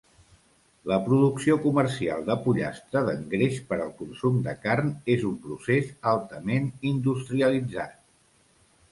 La producció comercial de pollastre d'engreix per al consum de carn és un procés altament industrialitzat.